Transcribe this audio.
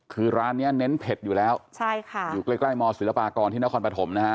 คือร้านนี้เน้นเผ็ดอยู่แล้วอยู่ใกล้มศิลปากรที่นครปฐมนะคะ